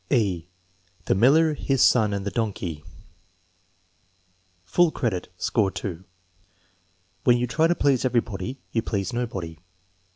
(e) The Miller, His Son, and the Donkey Full credit; score 2. "When you try to please everybody you please nobody."